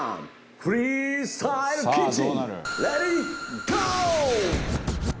フリースタイルキッチン。